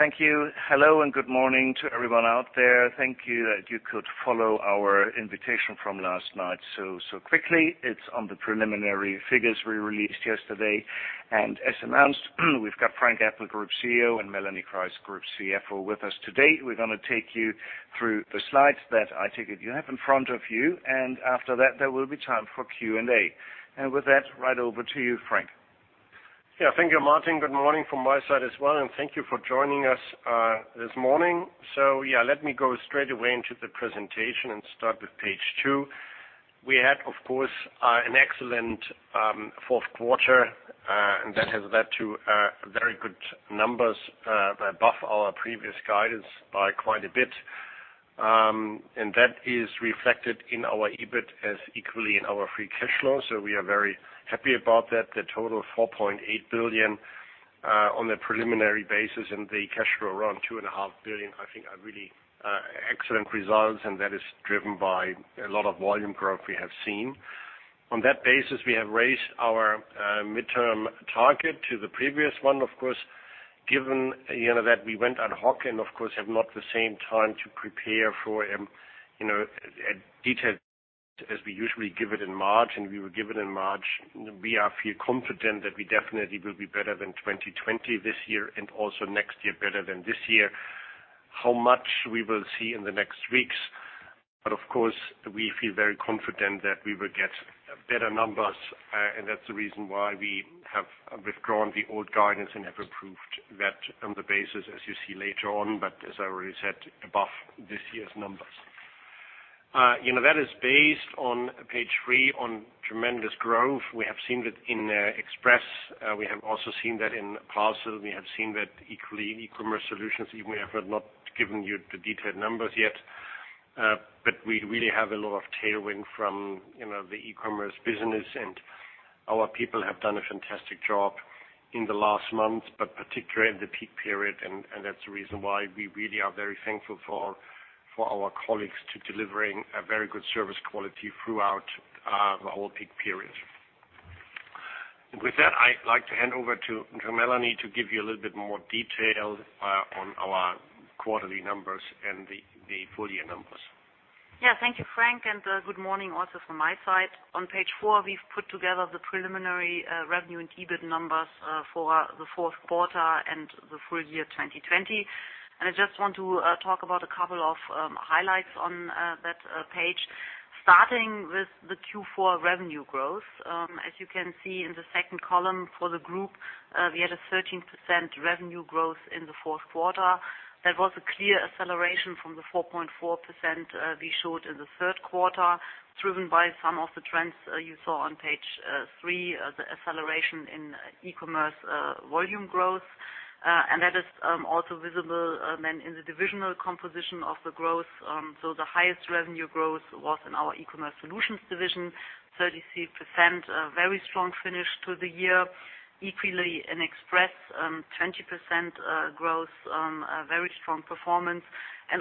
Thank you. Hello, and good morning to everyone out there. Thank you that you could follow our invitation from last night so quickly. It's on the preliminary figures we released yesterday. As announced, we've got Frank Appel, Group CEO, and Melanie Kreis, Group CFO, with us today. We're going to take you through the slides that I take it you have in front of you, and after that, there will be time for Q&A. With that, right over to you, Frank. Thank you, Martin. Good morning from my side as well, thank you for joining us this morning. Let me go straight away into the presentation and start with page two. We had, of course, an excellent fourth quarter, and that has led to very good numbers above our previous guidance by quite a bit. That is reflected in our EBIT as equally in our free cash flow. We are very happy about that. The total of 4.8 billion, on a preliminary basis and the cash flow around 2.5 billion, I think are really excellent results, and that is driven by a lot of volume growth we have seen. On that basis, we have raised our midterm target to the previous one, of course, given that we went ad hoc and, of course, have not the same time to prepare for a detailed as we usually give it in March, and we will give it in March. We feel confident that we definitely will be better than 2020 this year and also next year better than this year. How much? We will see in the next weeks. Of course, we feel very confident that we will get better numbers, and that's the reason why we have withdrawn the old guidance and have approved that on the basis, as you see later on. As I already said, above this year's numbers. That is based on page three on tremendous growth. We have seen that in Express. We have also seen that in Parcel. We have seen that equally in eCommerce Solutions, even if we have not given you the detailed numbers yet. We really have a lot of tailwind from the eCommerce business, and our people have done a fantastic job in the last month, but particularly in the peak period. That's the reason why we really are very thankful for our colleagues to delivering a very good service quality throughout the whole peak period. With that, I'd like to hand over to Melanie to give you a little bit more detail on our quarterly numbers and the full-year numbers. Yeah. Thank you, Frank, and good morning also from my side. On page four, we've put together the preliminary revenue and EBIT numbers for the fourth quarter and the full year 2020. I just want to talk about a couple of highlights on that page. Starting with the Q4 revenue growth. As you can see in the second column for the group, we had a 13% revenue growth in the fourth quarter. That was a clear acceleration from the 4.4% we showed in the third quarter, driven by some of the trends you saw on page three, the acceleration in eCommerce volume growth. That is also visible then in the divisional composition of the growth. The highest revenue growth was in our eCommerce Solutions division, 33%, a very strong finish to the year. Equally in Express, 20% growth, a very strong performance.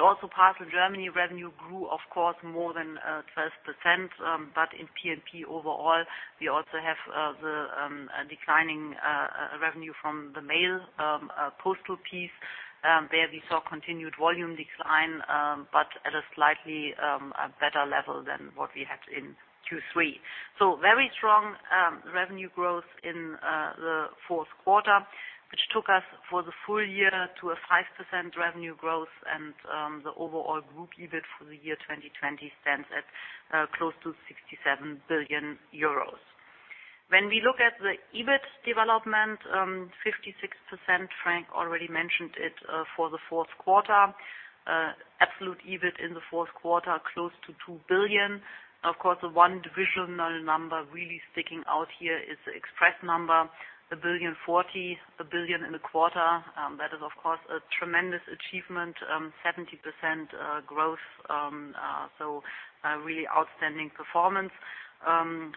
Also Parcel Germany revenue grew, of course, more than 12%. In P&P overall, we also have the declining revenue from the mail postal piece, where we saw continued volume decline, but at a slightly better level than what we had in Q3. Very strong revenue growth in the fourth quarter, which took us for the full-year to a 5% revenue growth and the overall group EBIT for the year 2020 stands at close to 67 billion euros. When we look at the EBIT development, 56%, Frank already mentioned it for the fourth quarter. Absolute EBIT in the fourth quarter, close to 2 billion. Of course, the one divisional number really sticking out here is the Express number, 1.04 billion in the quarter. That is, of course, a tremendous achievement, 70% growth. A really outstanding performance.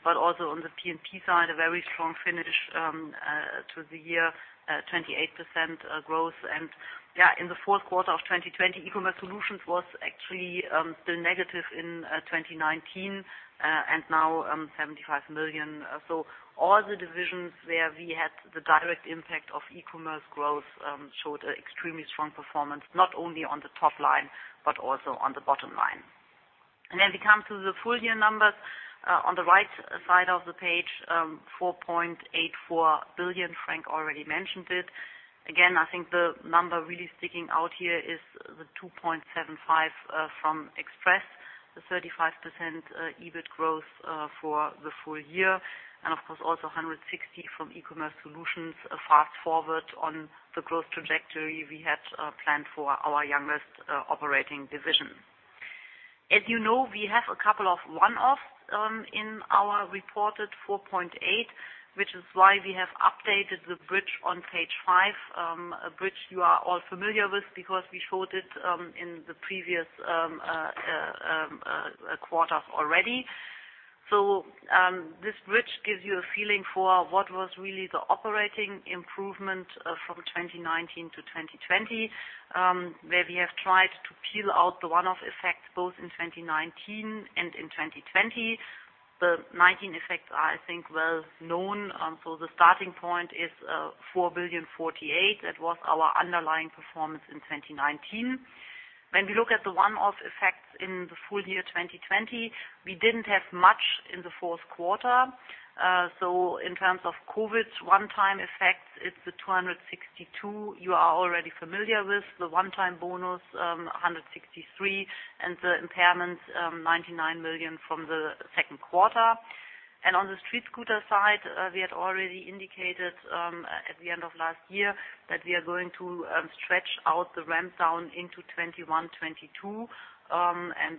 Also on the P&P side, a very strong finish to the year, 28% growth. In Q4 2020, eCommerce Solutions was actually still negative in 2019, and now, 75 million. All the divisions where we had the direct impact of e-commerce growth showed extremely strong performance, not only on the top line, but also on the bottom line. We come to the full-year numbers. On the right side of the page, 4.84 billion, Frank already mentioned it. Again, I think the number really sticking out here is the 2.75 billion from Express, the 35% EBIT growth for the full-year. Of course, also 160 million from eCommerce Solutions, a fast-forward on the growth trajectory we had planned for our youngest operating division. As you know, we have a couple of one-offs in our reported 4.8 billion, which is why we have updated the bridge on page five, a bridge you are all familiar with because we showed it in the previous quarters already. This bridge gives you a feeling for what was really the operating improvement from 2019 to 2020. Where we have tried to peel out the one-off effects both in 2019 and in 2020. The 2019 effects are, I think, well known. The starting point is 4.048 billion. That was our underlying performance in 2019. When we look at the one-off effects in the full year 2020, we didn't have much in the fourth quarter. In terms of COVID one-time effects, it's the 262 million you are already familiar with, the one-time bonus, 163 million, and the impairments, 99 million from the second quarter. On the StreetScooter side, we had already indicated, at the end of last year that we are going to stretch out the ramp down into 2021-2022.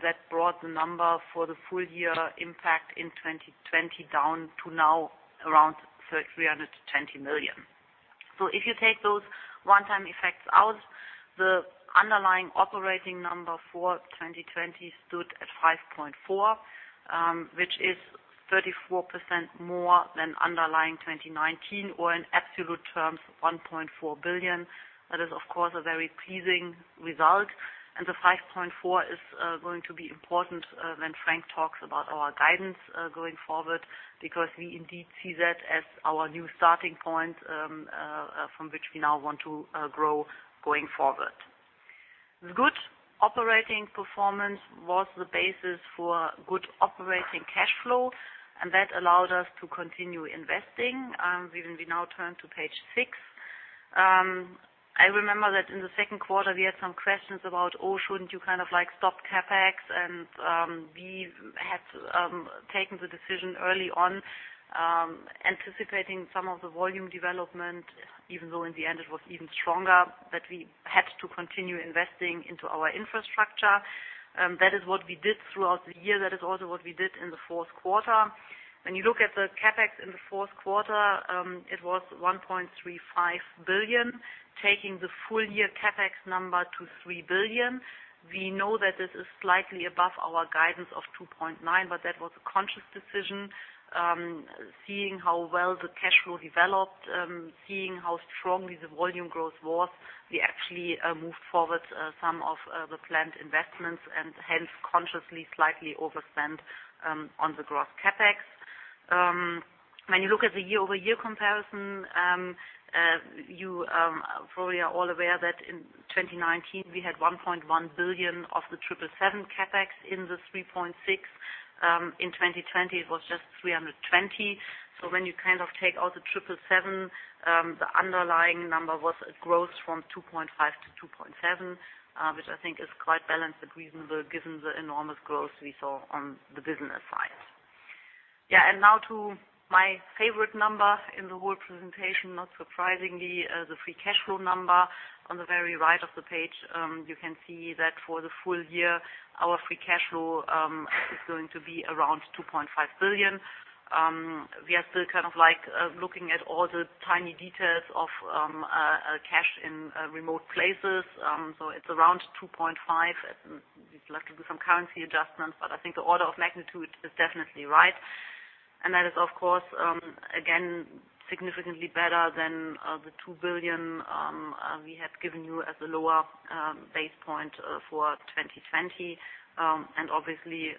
That brought the number for the full year impact in 2020 down to now around 320 million. If you take those one-time effects out, the underlying operating number for 2020 stood at 5.4 billion, which is 34% more than underlying 2019 or in absolute terms, 1.4 billion. That is, of course, a very pleasing result. The 5.4 billion is going to be important when Frank talks about our guidance going forward because we indeed see that as our new starting point from which we now want to grow going forward. The good operating performance was the basis for good operating cash flow, and that allowed us to continue investing. We now turn to page six. I remember that in the second quarter we had some questions about, oh, shouldn't you kind of like stop CapEx? We had taken the decision early on, anticipating some of the volume development, even though in the end it was even stronger, that we had to continue investing into our infrastructure. That is what we did throughout the year. That is also what we did in the fourth quarter. When you look at the CapEx in the fourth quarter, it was 1.35 billion. Taking the full year CapEx number to 3 billion, we know that this is slightly above our guidance of 2.9 billion, but that was a conscious decision. Seeing how well the cash flow developed, seeing how strongly the volume growth was, we actually moved forward some of the planned investments and hence consciously slightly overspent on the gross CapEx. When you look at the year-over-year comparison, you probably are all aware that in 2019 we had 1.1 billion of the 777 CapEx in the 3.6 billion. In 2020, it was just 320 million. When you take out the 777, the underlying number was a growth from 2.5 billion to 2.7 billion, which I think is quite balanced and reasonable given the enormous growth we saw on the business side. Yeah. Now to my favorite number in the whole presentation, not surprisingly, the free cash flow number on the very right of the page. You can see that for the full year, our free cash flow, is going to be around 2.5 billion. We are still looking at all the tiny details of cash in remote places. It's around 2.5 billion. We'd like to do some currency adjustments, but I think the order of magnitude is definitely right. That is, of course, again, significantly better than the 2 billion we had given you as a lower base point for 2020. Obviously,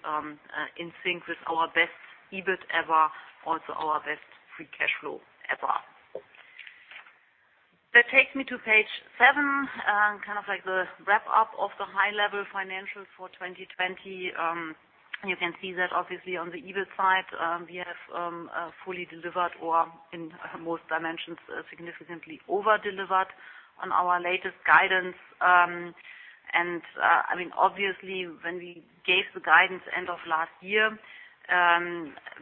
in sync with our best EBIT ever, also our best free cash flow ever. That takes me to page seven, kind of like the wrap up of the high level financials for 2020. You can see that obviously on the EBIT side, we have fully delivered or in most dimensions, significantly over-delivered on our latest guidance. Obviously, when we gave the guidance end of last year,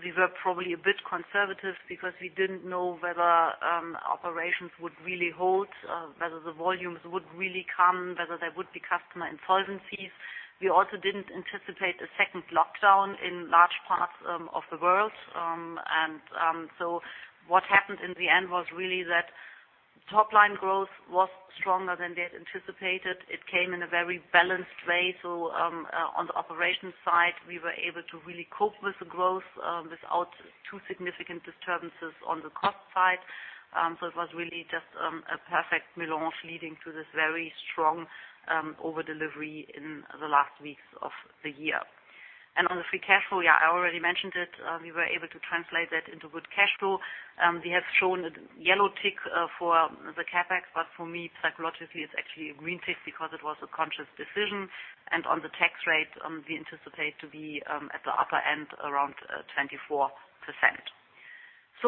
we were probably a bit conservative because we didn't know whether operations would really hold, whether the volumes would really come, whether there would be customer insolvencies. We also didn't anticipate a second lockdown in large parts of the world. What happened in the end was really that top line growth was stronger than they had anticipated. It came in a very balanced way. On the operations side, we were able to really cope with the growth, without too significant disturbances on the cost side. It was really just a perfect melange leading to this very strong over delivery in the last weeks of the year. On the free cash flow, yeah, I already mentioned it. We were able to translate that into good cash flow. We have shown a yellow tick for the CapEx, but for me, psychologically, it's actually a green tick because it was a conscious decision. On the tax rate, we anticipate to be at the upper end around 24%.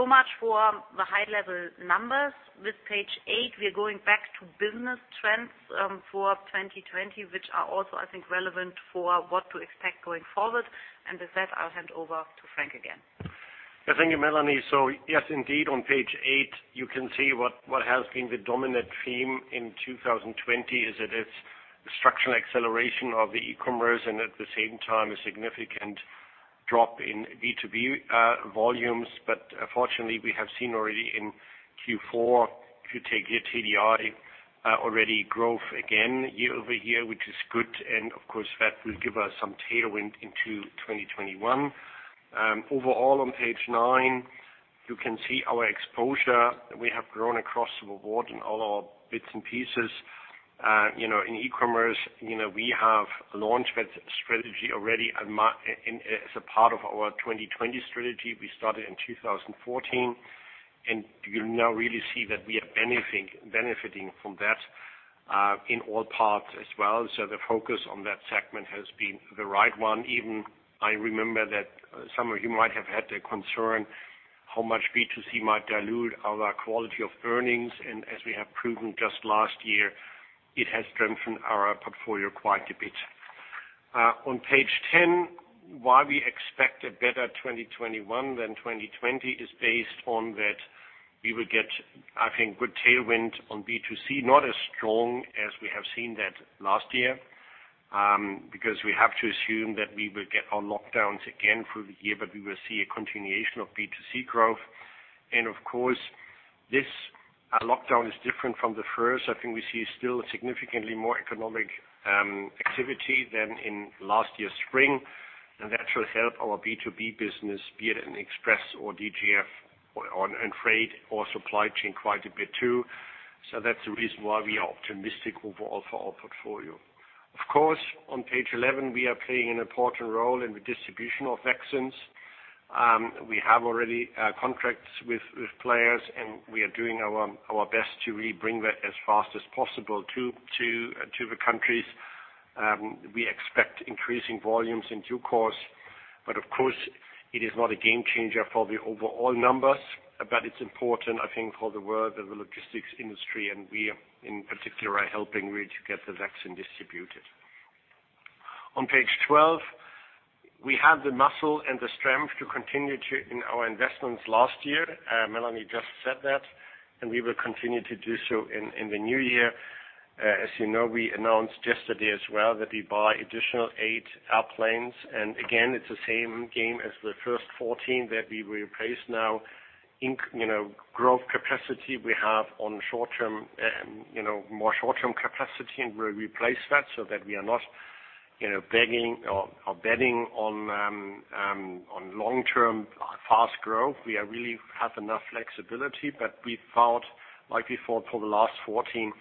Much for the high level numbers. With page eight, we are going back to business trends for 2020, which are also, I think, relevant for what to expect going forward. With that, I'll hand over to Frank again. Thank you, Melanie. Yes, indeed, on page eight, you can see what has been the dominant theme in 2020 is that its structural acceleration of the e-commerce and at the same time, a significant drop in B2B volumes. Fortunately, we have seen already in Q4, if you take your TDI, already growth again year-over-year, which is good. Of course, that will give us some tailwind into 2021. Overall, on page nine, you can see our exposure that we have grown across the board in all our bits and pieces. In e-commerce, we have a launch pad strategy already as a part of our 2020 strategy. We started in 2014, and you now really see that we are benefiting from that, in all parts as well. The focus on that segment has been the right one. Even I remember that some of you might have had a concern how much B2C might dilute our quality of earnings, and as we have proven just last year, it has strengthened our portfolio quite a bit. On page 10, why we expect a better 2021 than 2020 is based on that we will get, I think, good tailwind on B2C, not as strong as we have seen that last year. We have to assume that we will get on lockdowns again through the year, but we will see a continuation of B2C growth. Of course, this lockdown is different from the first. I think we see still significantly more economic activity than in last year's spring, and that should help our B2B business, be it in Express or DGF or in Freight or Supply Chain quite a bit too. That's the reason why we are optimistic overall for our portfolio. On page 11, we are playing an important role in the distribution of vaccines. We have already contracts with players, and we are doing our best to really bring that as fast as possible to the countries. We expect increasing volumes in due course. It is not a game changer for the overall numbers. It's important, I think, for the world of the logistics industry, and we, in particular, are helping really to get the vaccine distributed. On page 12, we have the muscle and the strength to continue in our investments last year. Melanie just said that, and we will continue to do so in the new year. As you know, we announced yesterday as well that we buy additional eight airplanes. Again, it's the same game as the first 14 that we replaced now. Growth capacity we have on more short-term capacity, and we replace that so that we are not betting on long-term fast growth. We really have enough flexibility, but we thought, like we thought for the last 14,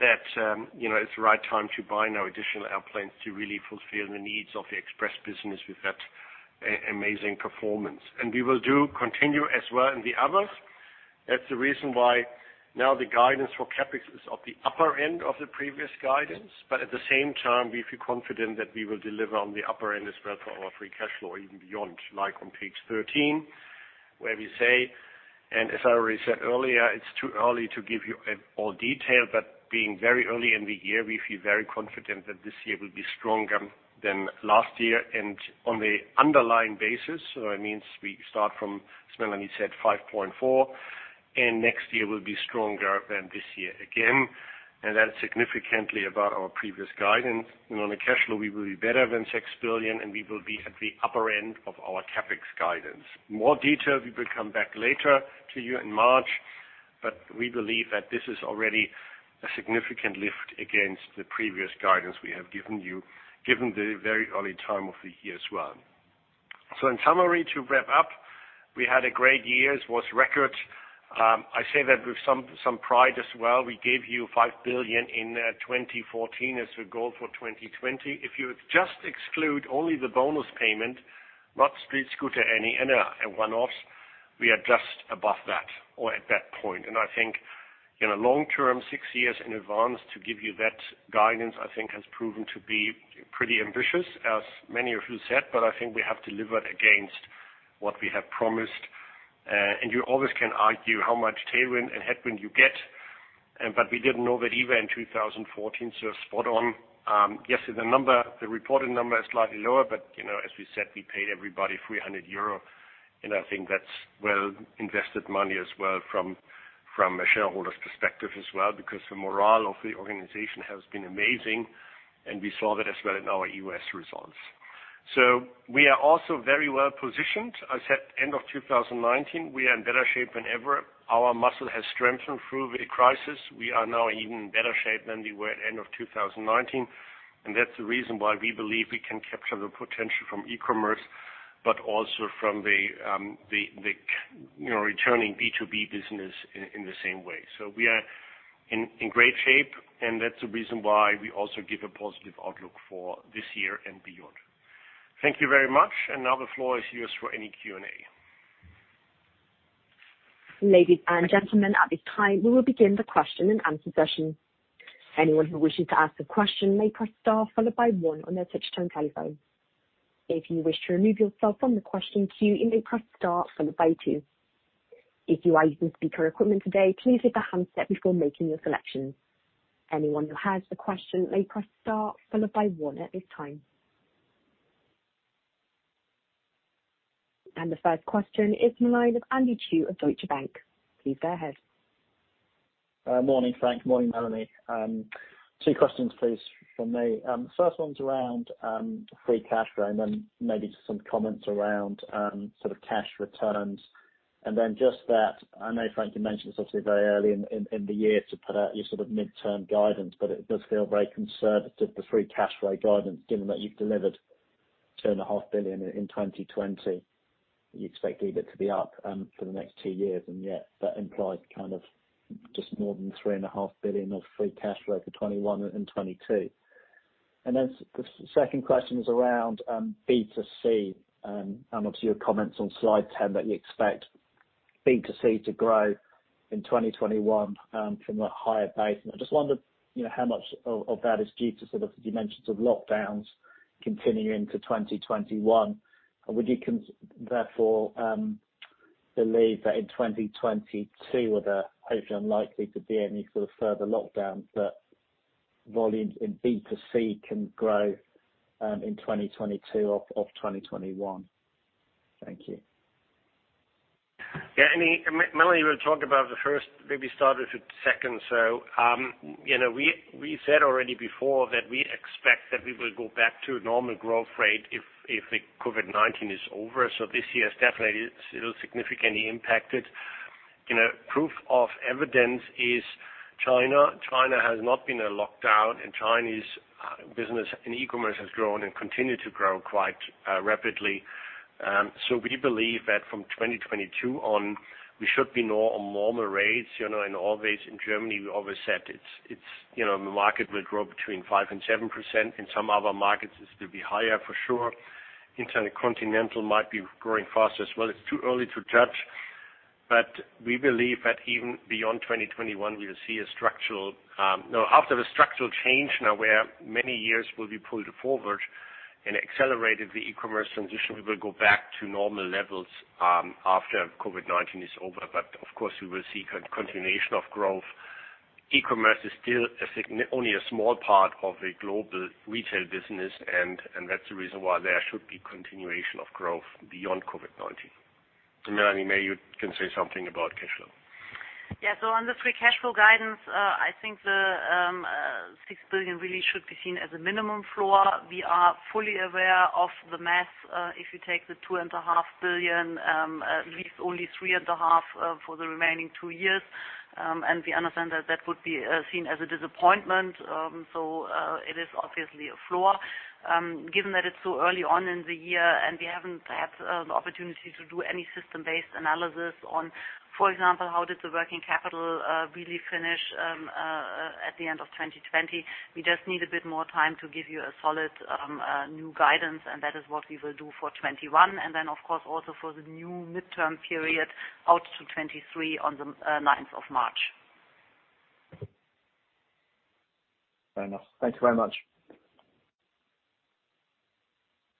that it's the right time to buy now additional airplanes to really fulfill the needs of the Express business with that amazing performance. We will do continue as well in the others. That's the reason why now the guidance for CapEx is of the upper end of the previous guidance. At the same time, we feel confident that we will deliver on the upper end as well for our free cash flow, even beyond, like on page 13, where we say, and as I already said earlier, it's too early to give you all detail. Being very early in the year, we feel very confident that this year will be stronger than last year and on the underlying basis. That means we start from, as Melanie said, 5.4 billion, and next year will be stronger than this year again. That is significantly above our previous guidance. On the cash flow, we will be better than 6 billion, and we will be at the upper end of our CapEx guidance. More detail, we will come back later to you in March, but we believe that this is already a significant lift against the previous guidance we have given you, given the very early time of the year as well. In summary, to wrap up, we had a great year. It was record. I say that with some pride as well. We gave you 5 billion in 2014 as the goal for 2020. If you just exclude only the bonus payment, not StreetScooter and one-offs, we are just above that or at that point. I think, long-term, six years in advance, to give you that guidance, I think has proven to be pretty ambitious, as many of you said. I think we have delivered against what we have promised. You always can argue how much tailwind and headwind you get. We didn't know that even in 2014, spot on. Yes, the reported number is slightly lower, as we said, we paid everybody 300 euro. I think that's well-invested money as well from a shareholder's perspective as well, because the morale of the organization has been amazing, and we saw that as well in our U.S. results. We are also very well-positioned. As at end of 2019, we are in better shape than ever. Our muscle has strengthened through the crisis. We are now in even better shape than we were at end of 2019. That's the reason why we believe we can capture the potential from e-commerce, but also from the returning B2B business in the same way. We are in great shape, and that's the reason why we also give a positive outlook for this year and beyond. Thank you very much. Now the floor is yours for any Q&A. Ladies and gentlemen, at this time, we will begin the question-and-answer session. Anyone who wishes to ask a question may press star followed by one on their touch-tone telephone. If you wish to remove yourself from the question queue you may press star and a two. If you are using a speaker equipment today please lift the handset before making a selection. Anyone who has a question may press star followed by one at this time The first question is the line of Andy Chu of Deutsche Bank. Please go ahead. Good morning, Frank. Good morning, Melanie. Two questions, please, from me. First one's around free cash flow and then maybe just some comments around sort of cash returns. Then just that, I know, Frank, you mentioned it's obviously very early in the year to put out your sort of midterm guidance, but it does feel very conservative, the free cash flow guidance, given that you've delivered 2.5 billion in 2020. You expect EBIT to be up for the next two years, yet that implies just more than 3.5 billion of free cash flow for 2021 and 2022. The second question is around B2C and obviously your comments on slide 10, that you expect B2C to grow in 2021 from a higher base. I just wondered, how much of that is due to the dimensions of lockdowns continuing to 2021? Would you, therefore, believe that in 2022, where there hopefully aren't likely to be any further lockdowns, that volume in B2C can grow in 2022 off of 2021? Thank you. Yeah. Melanie will talk about the first, maybe start with the second. We said already before that we expect that we will go back to a normal growth rate if the COVID-19 is over. This year is definitely still significantly impacted. Proof of evidence is China. China has not been on lockdown and Chinese business and e-commerce has grown and continue to grow quite rapidly. We believe that from 2022 on, we should be on normal rates. In all this, in Germany, we always said the market will grow between 5%-7%. In some other markets, it will be higher for sure. Intercontinental might be growing faster as well. It's too early to judge. We believe that even beyond 2021, we will see after the structural change now, where many years will be pulled forward and accelerated the e-commerce transition, we will go back to normal levels after COVID-19 is over. Of course, we will see continuation of growth. E-commerce is still only a small part of the global retail business and that's the reason why there should be continuation of growth beyond COVID-19. Melanie, maybe you can say something about cash flow. On the free cash flow guidance, I think the 6 billion really should be seen as a minimum floor. We are fully aware of the math. If you take the 2.5 Billion, at least only 3.5 billion for the remaining two years, and we understand that that would be seen as a disappointment. It is obviously a floor. Given that it is so early on in the year and we have not had the opportunity to do any system-based analysis on, for example, how did the working capital really finish at the end of 2020? We just need a bit more time to give you a solid new guidance, and that is what we will do for 2021. Then, of course, also for the new midterm period out to 2023 on the 9th of March. Fair enough. Thank you very much.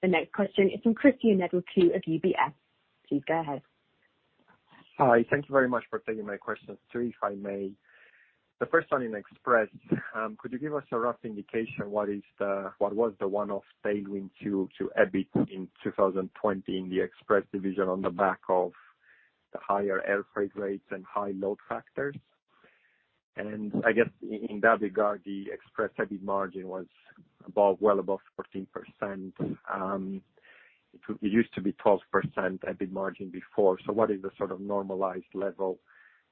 The next question is from Cristian Nedelcu of UBS. Please go ahead. Hi. Thank you very much for taking my questions. Two, if I may. The first one in Express. Could you give us a rough indication what was the one-off tailwind to EBIT in 2020 in the Express division on the back of the higher air freight rates and high load factors? I guess in that regard, the Express EBIT margin was well above 14%. It used to be 12% EBIT margin before. What is the sort of normalized level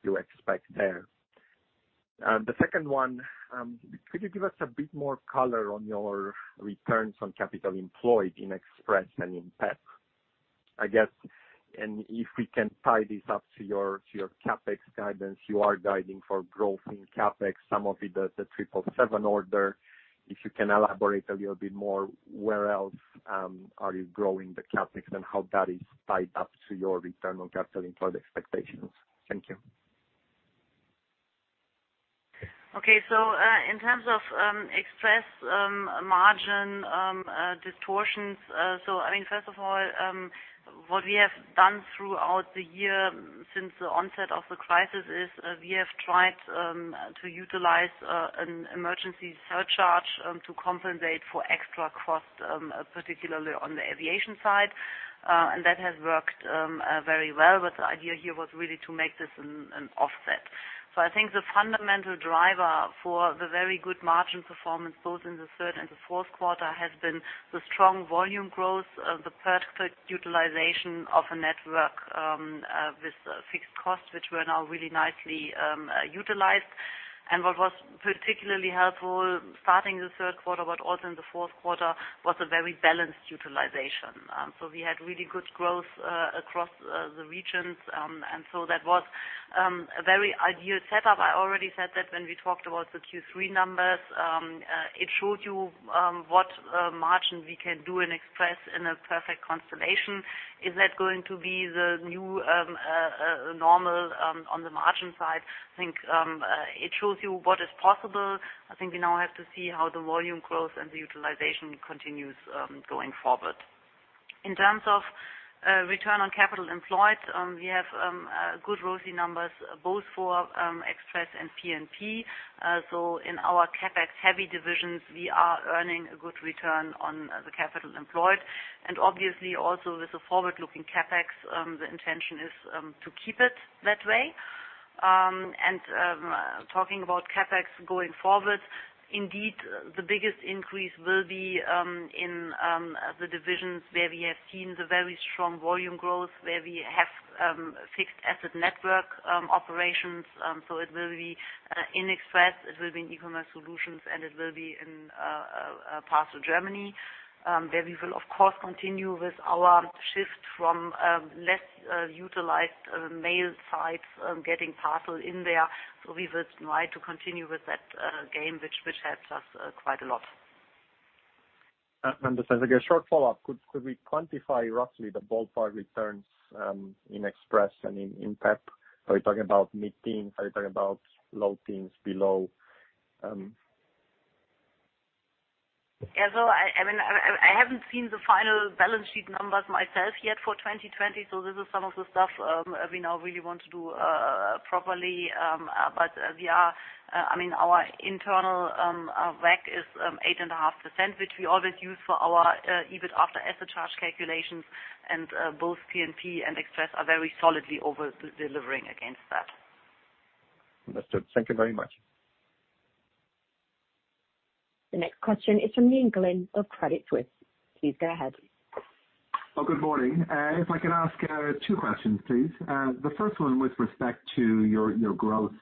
you expect there? The second one, could you give us a bit more color on your returns on capital employed in Express and in P&P? I guess, if we can tie this up to your CapEx guidance, you are guiding for growth in CapEx, some of it the 777 order. If you can elaborate a little bit more, where else are you growing the CapEx and how that is tied up to your return on capital employed expectations? Thank you. Okay. In terms of Express margin distortions. First of all, what we have done throughout the year since the onset of the crisis is, we have tried to utilize an emergency surcharge to compensate for extra costs, particularly on the aviation side. That has worked very well. The idea here was really to make this an offset. I think the fundamental driver for the very good margin performance, both in the third and the fourth quarter, has been the strong volume growth, the perfect utilization of a network with fixed costs, which were now really nicely utilized. What was particularly helpful starting the third quarter, but also in the fourth quarter, was a very balanced utilization. We had really good growth across the regions. That was a very ideal setup. I already said that when we talked about the Q3 numbers. It shows you what margin we can do in Express in a perfect constellation. Is that going to be the new normal on the margin side? I think it shows you what is possible. I think we now have to see how the volume growth and the utilization continues going forward. In terms of return on capital employed, we have good ROCE numbers both for Express and P&P. In our CapEx-heavy divisions, we are earning a good return on the capital employed. Obviously also with the forward-looking CapEx, the intention is to keep it that way. Talking about CapEx going forward, indeed, the biggest increase will be in the divisions where we have seen the very strong volume growth, where we have fixed asset network operations. It will be in Express, it will be in eCommerce Solutions, and it will be in Parcel Germany, where we will, of course, continue with our shift from less utilized mail sites, getting parcel in there. We will try to continue with that game, which helps us quite a lot. Understood. I guess, short follow-up, could we quantify roughly the ballpark returns in Express and in P&P? Are we talking about mid-teens? Are we talking about low teens below? Yeah. I haven't seen the final balance sheet numbers myself yet for 2020. This is some of the stuff we now really want to do properly. Our internal WACC is 8.5%, which we always use for our EBIT after asset charge calculations. Both P&P and Express are very solidly over-delivering against that. Understood. Thank you very much. The next question is from Neil Glynn of Credit Suisse. Please go ahead. Oh, good morning. If I could ask two questions, please. The first one with respect to your growth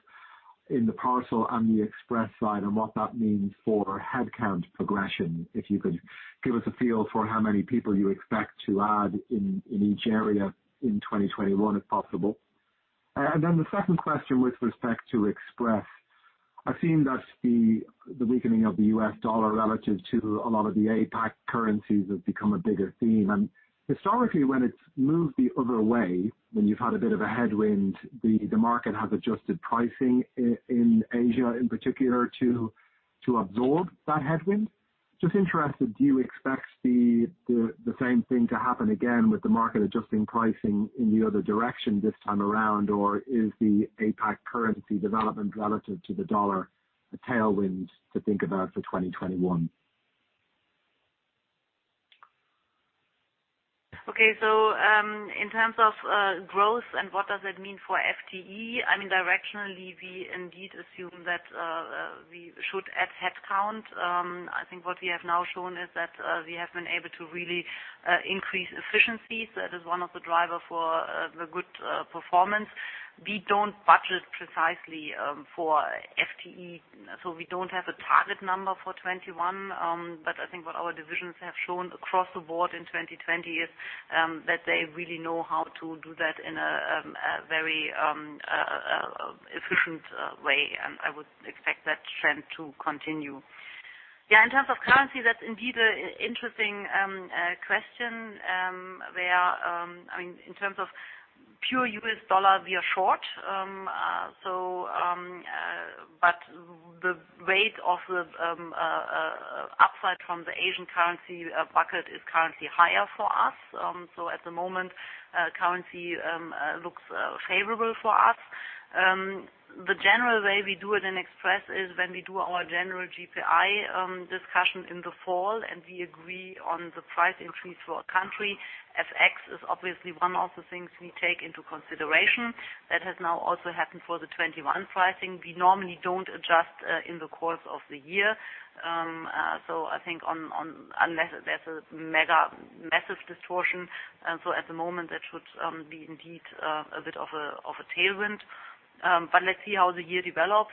in the parcel and the Express side and what that means for headcount progression. If you could give us a feel for how many people you expect to add in each area in 2021, if possible. The second question with respect to Express. I've seen that the weakening of the U.S. dollar relative to a lot of the APAC currencies have become a bigger theme. Historically, when it's moved the other way, when you've had a bit of a headwind, the market has adjusted pricing in Asia in particular, to absorb that headwind. Just interested, do you expect the same thing to happen again with the market adjusting pricing in the other direction this time around, or is the APAC currency development relative to the U.S. dollar a tailwind to think about for 2021? Okay. In terms of growth and what does it mean for FTE, directionally, we indeed assume that we should add headcount. I think what we have now shown is that we have been able to really increase efficiencies. That is one of the driver for the good performance. We don't budget precisely for FTE, we don't have a target number for 2021. I think what our divisions have shown across the board in 2020 is that they really know how to do that in a very efficient way. I would expect that trend to continue. Yeah, in terms of currency, that's indeed an interesting question. In terms of pure U.S. Dollar, we are short. The weight of the upside from the Asian currency bucket is currently higher for us. At the moment, currency looks favorable for us. The general way we do it in Express is when we do our general GPI discussion in the fall. We agree on the price increase for a country. FX is obviously one of the things we take into consideration. That has now also happened for the 2021 pricing. We normally don't adjust in the course of the year, I think, unless there's a massive distortion. At the moment, that should be indeed a bit of a tailwind. Let's see how the year develops.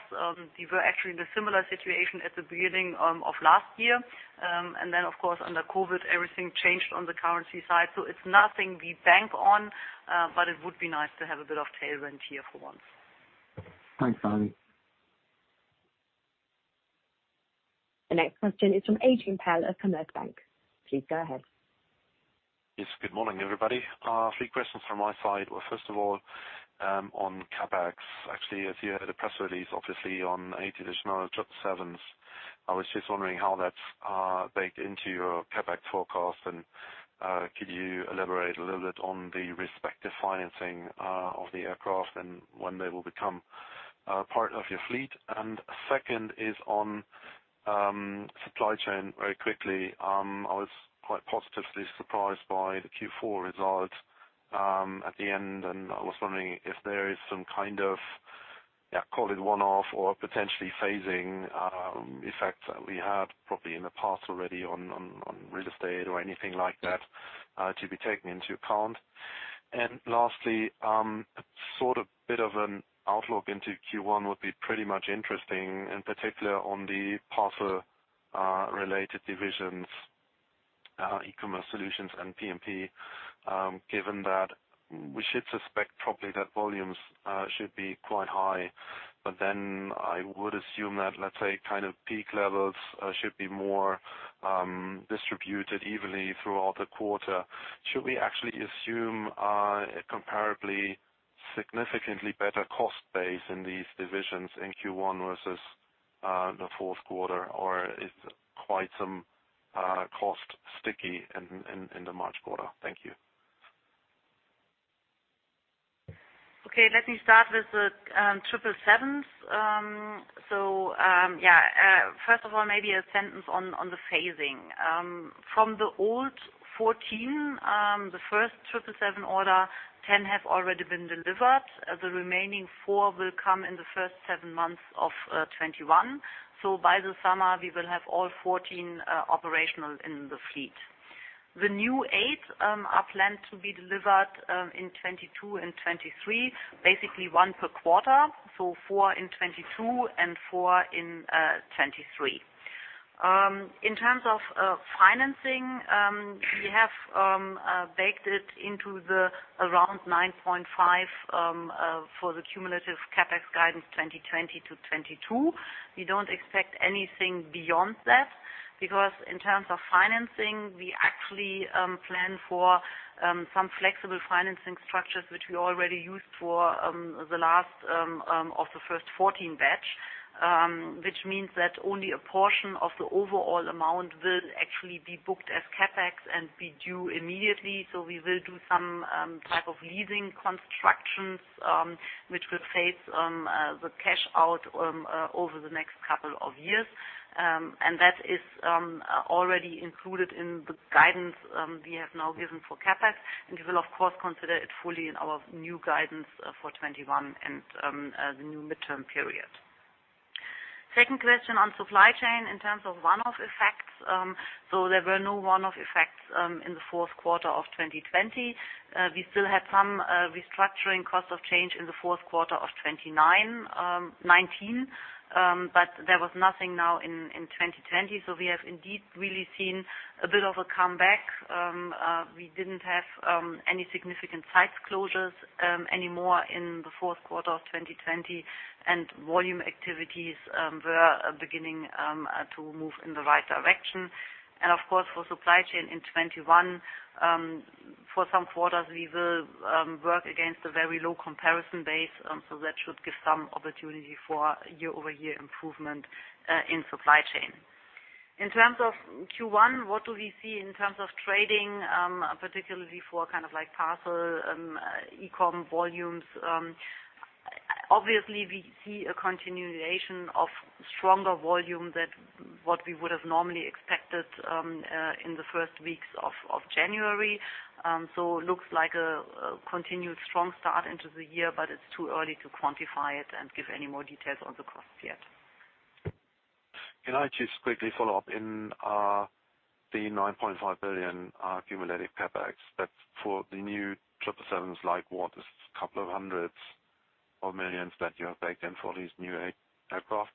We were actually in a similar situation at the beginning of last year. Of course, under COVID, everything changed on the currency side. It's nothing we bank on. It would be nice to have a bit of tailwind here for once. Thanks, Melanie. The next question is from Adrian Pehl of Commerzbank. Please go ahead. Yes. Good morning, everybody. Three questions from my side. Well, first of all, on CapEx. Actually, as you had a press release, obviously, on eight additional 777s. I was just wondering how that's baked into your CapEx forecast and could you elaborate a little bit on the respective financing of the aircraft and when they will become part of your fleet? Second is on supply chain, very quickly. I was quite positively surprised by the Q4 results at the end. I was wondering if there is some kind of, call it one-off or potentially phasing effects that we had probably in the past already on real estate or anything like that to be taken into account. Lastly, sort of bit of an outlook into Q1 would be pretty much interesting, in particular on the parcel-related divisions, eCommerce Solutions and P&P. Given that we should suspect probably that volumes should be quite high. I would assume that, let's say, kind of peak levels should be more distributed evenly throughout the quarter. Should we actually assume a comparably, significantly better cost base in these divisions in Q1 versus the fourth quarter? Is quite some cost sticky in the March quarter? Thank you. Let me start with the 777s. First of all, maybe a sentence on the phasing. From the old 14, the first 777 order, 10 have already been delivered. The remaining four will come in the first seven months of 2021. By the summer, we will have all 14 operational in the fleet. The new eight are planned to be delivered in 2022 and 2023, basically one per quarter, four in 2022 and four in 2023. In terms of financing, we have baked it into the around 9.5 billion for the cumulative CapEx guidance 2020 to 2022. We don't expect anything beyond that, because in terms of financing, we actually plan for some flexible financing structures, which we already used for the first 14 batch, which means that only a portion of the overall amount will actually be booked as CapEx and be due immediately. We will do some type of leasing constructions, which will phase the cash out over the next couple of years. That is already included in the guidance we have now given for CapEx, and we will, of course, consider it fully in our new guidance for 2021 and the new midterm period. Second question on supply chain in terms of one-off effects. There were no one-off effects in the fourth quarter of 2020. We still had some restructuring cost of change in the fourth quarter of 2019, but there was nothing now in 2020. We have indeed really seen a bit of a comeback. We didn't have any significant site closures anymore in the fourth quarter of 2020, and volume activities were beginning to move in the right direction. Of course, for supply chain in 2021, for some quarters, we will work against a very low comparison base. That should give some opportunity for year-over-year improvement in supply chain. In terms of Q1, what do we see in terms of trading, particularly for parcel, eCom volumes? Obviously, we see a continuation of stronger volume than what we would have normally expected in the first weeks of January. Looks like a continued strong start into the year, but it is too early to quantify it and give any more details on the costs yet. Can I just quickly follow up? In the 9.5 billion cumulative CapEx that's for the new 777s, like what? It's a couple of hundreds of millions that you have taken for these new aircraft?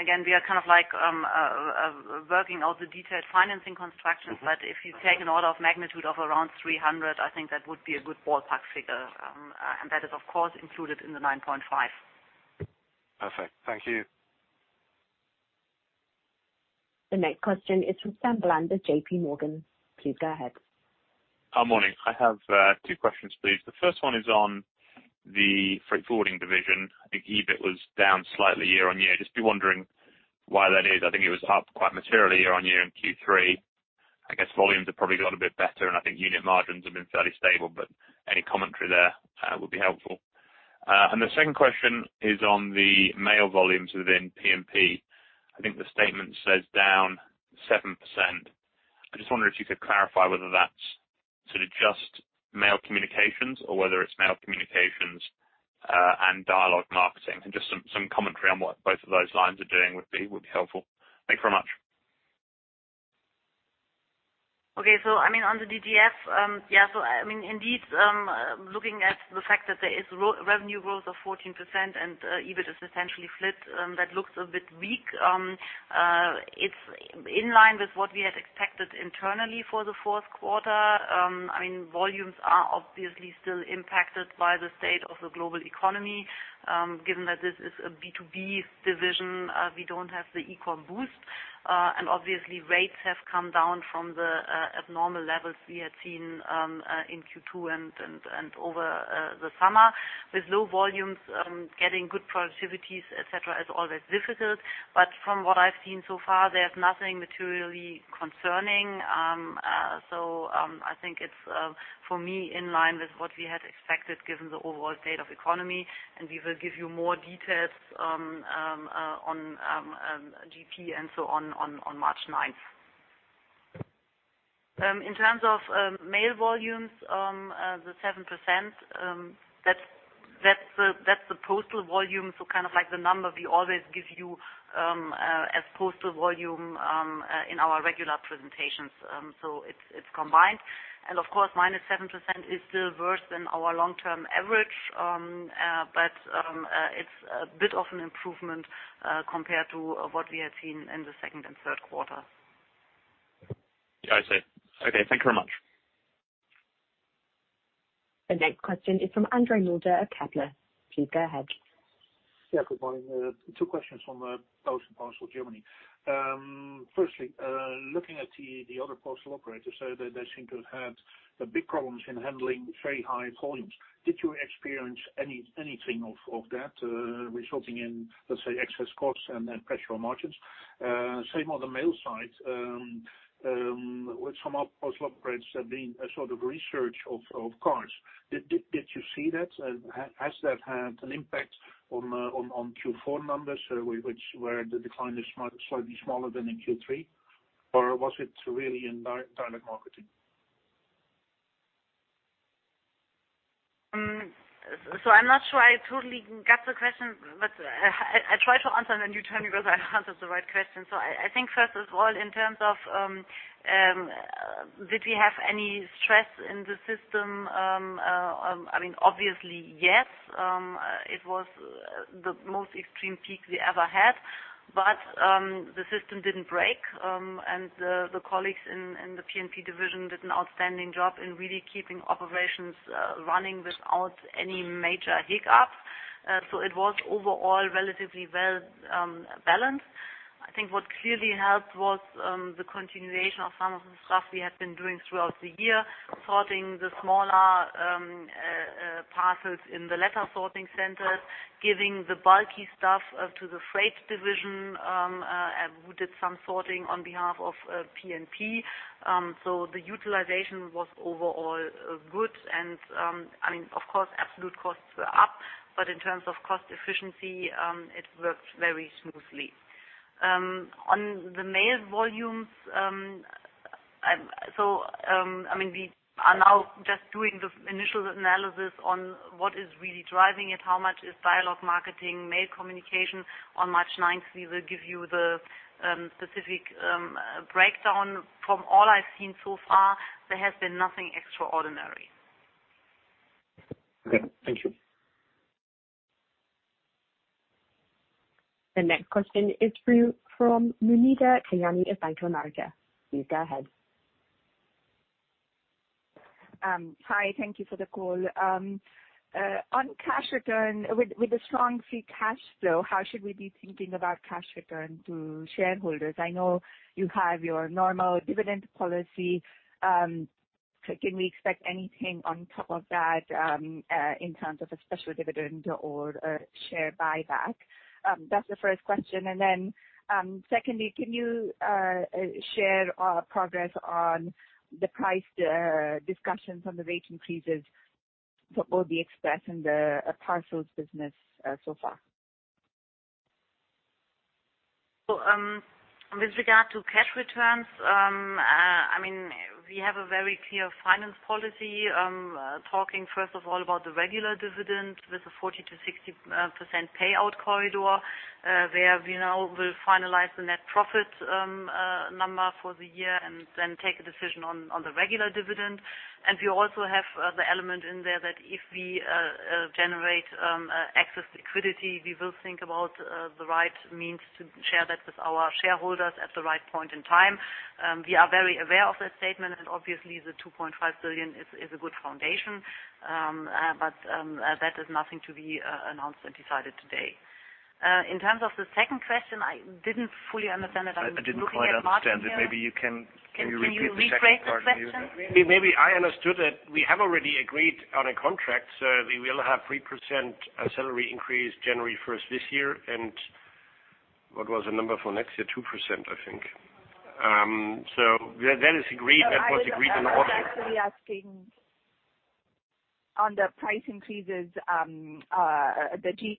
Again, we are working out the detailed financing constructions. If you take an order of magnitude of around 300, I think that would be a good ballpark figure. That is, of course, included in the 9.5 billion. Perfect. Thank you. The next question is from Sam Bland, JPMorgan. Please go ahead. Morning. I have two questions, please. The first one is on the Freight Forwarding division. I think EBIT was down slightly year-on-year. Just be wondering why that is. I think it was up quite materially year-on-year in Q3. I guess volumes have probably got a bit better, and I think unit margins have been fairly stable, but any commentary there would be helpful. The second question is on the mail volumes within P&P. I think the statement says down 7%. I just wonder if you could clarify whether that's just mail communications or whether it's mail communications and dialogue marketing, and just some commentary on what both of those lines are doing would be helpful. Thank you very much. Okay. On the DGF, indeed, looking at the fact that there is revenue growth of 14% and EBIT has essentially flipped, that looks a bit weak. It's in line with what we had expected internally for the fourth quarter. Volumes are obviously still impacted by the state of the global economy. Given that this is a B2B division, we don't have the eCom boost. Obviously, rates have come down from the abnormal levels we had seen in Q2 and over the summer. With low volumes, getting good productivities, et cetera, is always difficult. From what I've seen so far, there's nothing materially concerning. I think it's, for me, in line with what we had expected given the overall state of economy, and we will give you more details on GP and so on March 9th. In terms of mail volumes, the 7%, that's the postal volume, so the number we always give you as postal volume in our regular presentations. It's combined. Of course, -7% is still worse than our long-term average. It's a bit of an improvement compared to what we had seen in the second and third quarter. I see. Okay, thank you very much. The next question is from André Mulder at Kepler. Please go ahead. Good morning. Two questions from Deutsche Post DHL Germany. Firstly, looking at the other postal operators, they seem to have had big problems in handling very high volumes. Did you experience anything of that, resulting in, let's say, excess costs and pressure on margins? Same on the mail side, with some postal operators, there's been a resurgence of cards. Did you see that? Has that had an impact on Q4 numbers, which where the decline is slightly smaller than in Q3? Or was it really in direct marketing? I'm not sure I totally got the question, but I try to answer and then you tell me whether I answered the right question. I think first of all, in terms of did we have any stress in the system? Obviously, yes. It was the most extreme peak we ever had. The system didn't break, and the colleagues in the P&P division did an outstanding job in really keeping operations running without any major hiccups. It was overall relatively well-balanced. I think what clearly helped was the continuation of some of the stuff we had been doing throughout the year, sorting the smaller parcels in the letter sorting centers, giving the bulky stuff to the freight division, who did some sorting on behalf of P&P. The utilization was overall good. Of course, absolute costs were up, but in terms of cost efficiency, it worked very smoothly. On the mail volumes, we are now just doing the initial analysis on what is really driving it. How much is dialogue marketing, mail communication? On March 9th, we will give you the specific breakdown. From all I've seen so far, there has been nothing extraordinary. Okay. Thank you. The next question is from Muneeba Kayani of Bank of America. Please go ahead. Hi. Thank you for the call. On cash return, with the strong free cash flow, how should we be thinking about cash return to shareholders? I know you have your normal dividend policy. Can we expect anything on top of that in terms of a special dividend or a share buyback? That's the first question. Secondly, can you share progress on the price discussions on the rate increases for both the Express and the parcels business so far? With regard to cash returns, we have a very clear finance policy, talking first of all about the regular dividend with a 40%-60% payout corridor, where we now will finalize the net profit number for the year and then take a decision on the regular dividend. We also have the element in there that if we generate excess liquidity, we will think about the right means to share that with our shareholders at the right point in time. We are very aware of that statement, and obviously, the 2.5 billion is a good foundation. That is nothing to be announced and decided today. In terms of the second question, I didn't fully understand it. I'm looking at Martin here. I didn't quite understand it. Maybe you can repeat the second part. Can you rephrase the question? Maybe I understood that we have already agreed on a contract. We will have 3% salary increase January 1st this year. What was the number for next year? 2%, I think. That was agreed in autumn. I was actually asking on the price increases, the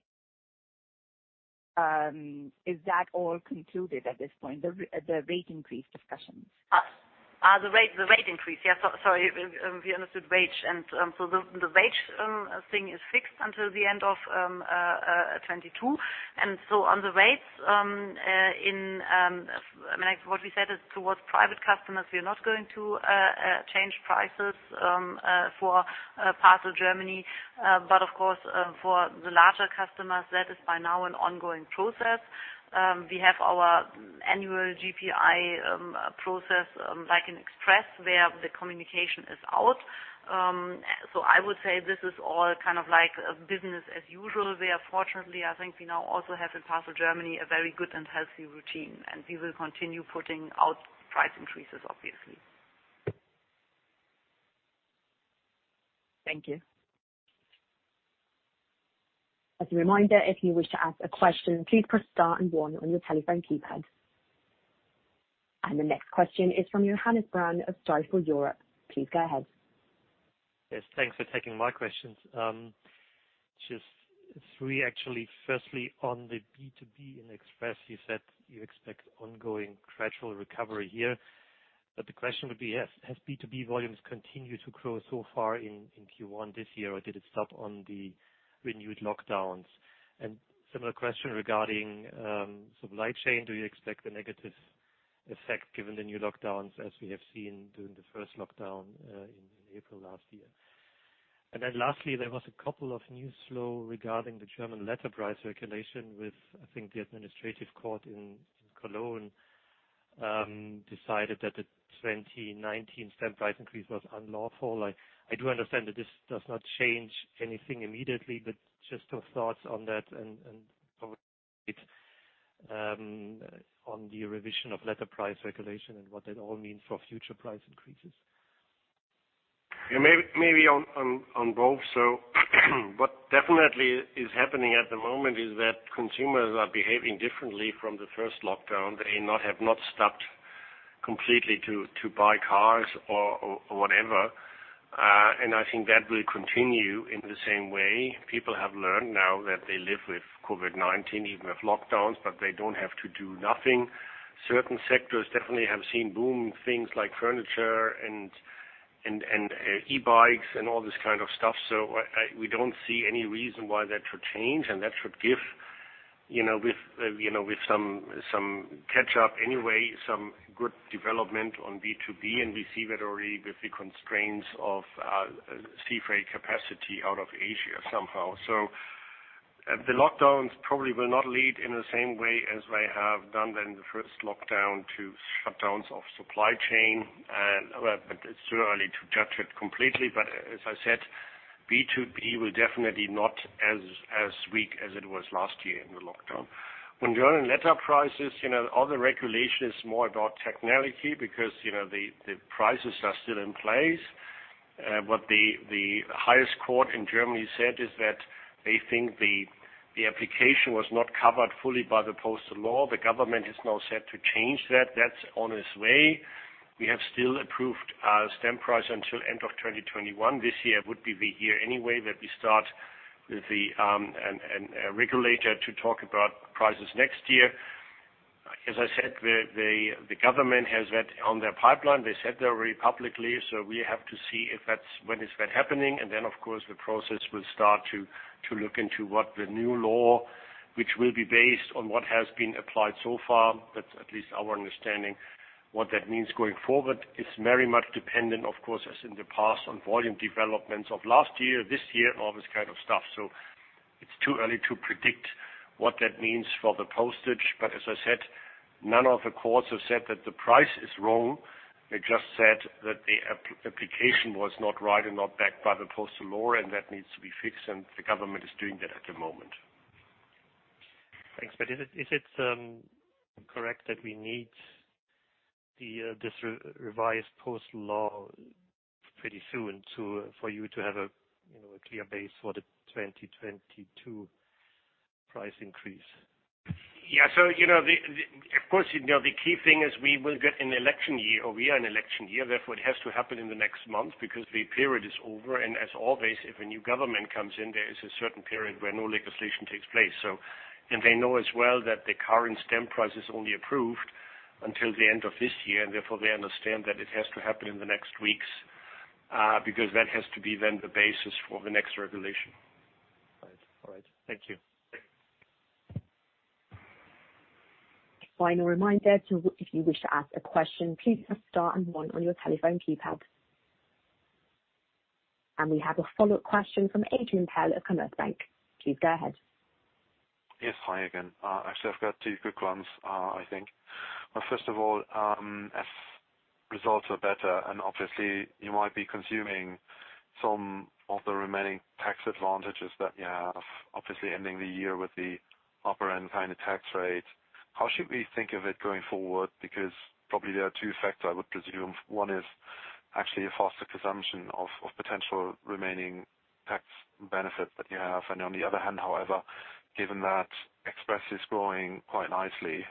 [GPI]. Is that all concluded at this point, the rate increase discussions? The rate increase. Yeah. Sorry, we understood wage. The wage thing is fixed until the end of 2022. On the rates, what we said is towards private customers, we are not going to change prices for Parcel Germany. For the larger customers, that is by now an ongoing process. We have our annual GPI process, like in Express, where the communication is out. I would say this is all kind of like business as usual, where fortunately, I think we now also have in Parcel Germany, a very good and healthy routine, and we will continue putting out price increases, obviously. Thank you. The next question is from Johannes Braun of Stifel Europe. Please go ahead. Yes, thanks for taking my questions. Just three, actually. Firstly, on the B2B and Express, you said you expect ongoing gradual recovery here. The question would be, has B2B volumes continued to grow so far in Q1 this year, or did it stop on the renewed lockdowns? Similar question regarding supply chain. Do you expect a negative effect given the new lockdowns, as we have seen during the first lockdown in April last year? Lastly, there was a couple of news flow regarding the German letter price regulation with, I think, the administrative court in Cologne decided that the 2019 stamp price increase was unlawful. I do understand that this does not change anything immediately, but just your thoughts on that and on the revision of letter price regulation and what that all means for future price increases. Maybe on both. What definitely is happening at the moment is that consumers are behaving differently from the first lockdown. They have not stopped completely to buy cars or whatever. I think that will continue in the same way. People have learned now that they live with COVID-19, even with lockdowns, but they don't have to do nothing. Certain sectors definitely have seen boom, things like furniture and e-bikes and all this kind of stuff. We don't see any reason why that should change and that should give, with some catch-up anyway, some good development on B2B, and we see that already with the constraints of sea freight capacity out of Asia somehow. The lockdowns probably will not lead in the same way as they have done in the first lockdown to shutdowns of supply chain, but it's too early to judge it completely. As I said, B2B will definitely not as weak as it was last year in the lockdown. When you're in letter prices, all the regulation is more about technicality because the prices are still in place. What the highest court in Germany said is that they think the application was not covered fully by the Postal Act. The government is now set to change that. That's on its way. We have still approved stamp price until end of 2021. This year would be the year anyway that we start with the regulator to talk about prices next year. As I said, the government has that on their pipeline. They said that already publicly, so we have to see when is that happening, and then, of course, the process will start to look into what the new law, which will be based on what has been applied so far. That's at least our understanding. What that means going forward, it's very much dependent, of course, as in the past, on volume developments of last year, this year, all this kind of stuff. It's too early to predict what that means for the postage. As I said, none of the courts have said that the price is wrong. They just said that the application was not right and not backed by the Postal Act, and that needs to be fixed, and the government is doing that at the moment. Thanks. Is it correct that we need this revised Postal Act pretty soon for you to have a clear base for the 2022 price increase? Yeah. Of course, the key thing is we will get an election year, or we are in election year. Therefore, it has to happen in the next month because the period is over. As always, if a new government comes in, there is a certain period where no legislation takes place. They know as well that the current stamp price is only approved until the end of this year, and therefore, they understand that it has to happen in the next weeks, because that has to be then the basis for the next regulation. All right. Thank you. Final reminder, if you wish to ask a question, please press star and one on your telephone keypad. We have a follow-up question from Adrian Pehl at Commerzbank. Please go ahead. Yes. Hi again. Actually, I've got two quick ones, I think. First of all, as results are better, and obviously you might be consuming some of the remaining tax advantages that you have, obviously ending the year with the upper end kind of tax rate. How should we think of it going forward? Because probably there are two effects, I would presume. One is actually a faster consumption of potential remaining tax benefit that you have. On the other hand, however, given that Express is growing quite nicely,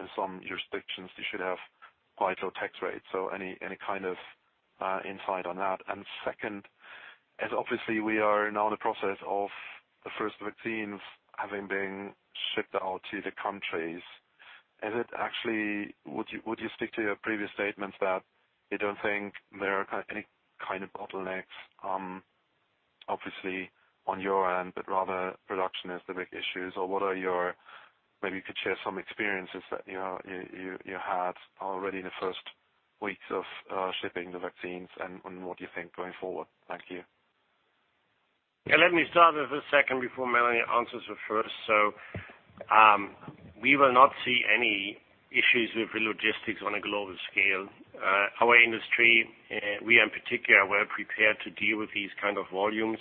in some jurisdictions, you should have quite low tax rates. Any kind of insight on that? Second, as obviously we are now in the process of the first vaccines having been shipped out to the countries, would you stick to your previous statements that you don't think there are any kind of bottlenecks, obviously, on your end, but rather production is the big issues? Maybe you could share some experiences that you had already in the first weeks of shipping the vaccines and what you think going forward. Thank you. Yeah, let me start with the second before Melanie answers the first. We will not see any issues with logistics on a global scale. Our industry, we in particular, we're prepared to deal with these kind of volumes.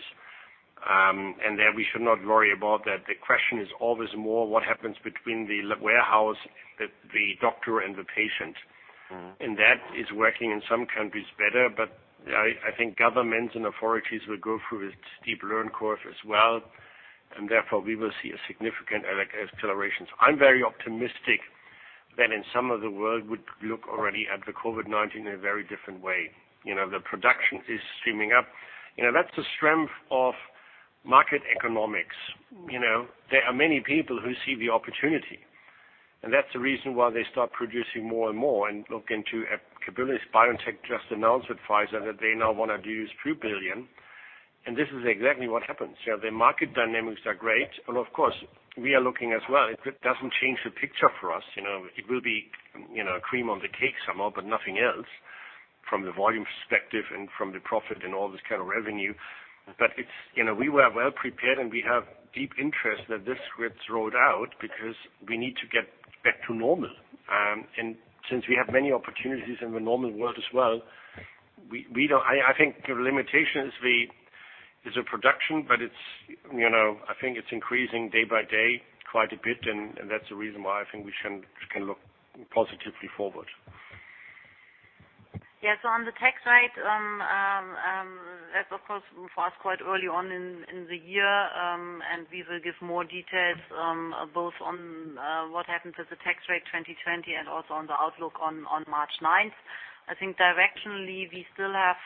There, we should not worry about that. The question is always more what happens between the warehouse, the doctor, and the patient. That is working in some countries better, but I think governments and authorities will go through a steep learning curve as well. Therefore, we will see a significant acceleration. I'm very optimistic that in some of the world would look already at the COVID-19 in a very different way. The production is streaming up. That's the strength of market economics. There are many people who see the opportunity, and that's the reason why they start producing more and more and look into capabilities. BioNTech just announced with Pfizer that they now want to do 2 billion, and this is exactly what happens. The market dynamics are great. Of course, we are looking as well. It doesn't change the picture for us. It will be cream on the cake somehow, but nothing else from the volume perspective and from the profit and all this kind of revenue. We were well prepared, and we have deep interest that this gets rolled out because we need to get back to normal. Since we have many opportunities in the normal world as well, I think the limitation is the production, but I think it's increasing day-by-day quite a bit, and that's the reason why I think we can look positively forward. Yeah. On the tax side, that of course for us quite early on in the year, and we will give more details both on what happens with the tax rate 2020 and also on the outlook on March 9th. I think directionally, we still have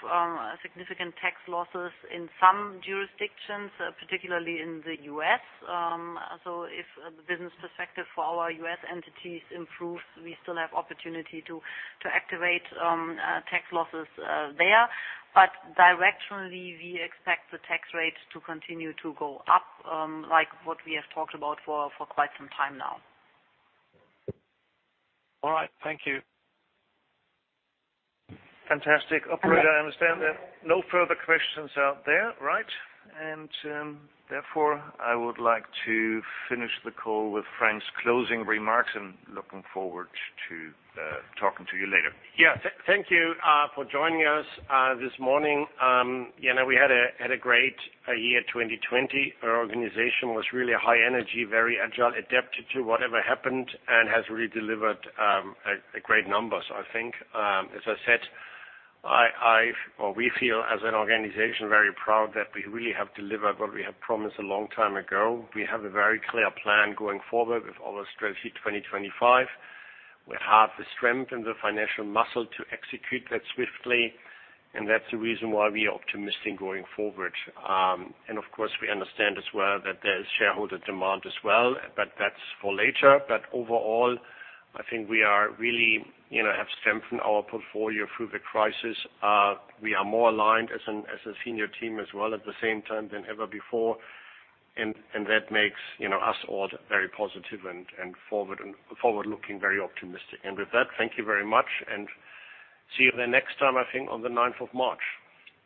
significant tax losses in some jurisdictions, particularly in the U.S. If the business perspective for our U.S. entities improves, we still have opportunity to activate tax losses there. Directionally, we expect the tax rate to continue to go up, like what we have talked about for quite some time now. All right. Thank you. Fantastic. Operator, I understand there are no further questions out there, right? I would like to finish the call with Frank's closing remarks and looking forward to talking to you later. Thank you for joining us this morning. We had a great year 2020. Our organization was really a high energy, very agile, adapted to whatever happened, and has really delivered a great number. I think, as I said, we feel as an organization very proud that we really have delivered what we have promised a long time ago. We have a very clear plan going forward with our Strategy 2025. We have the strength and the financial muscle to execute that swiftly, that's the reason why we are optimistic going forward. Of course, we understand as well that there is shareholder demand as well, but that's for later. Overall, I think we really have strengthened our portfolio through the crisis. We are more aligned as a senior team as well at the same time than ever before. That makes us all very positive and forward-looking, very optimistic. With that, thank you very much and see you the next time, I think on the 9th of March.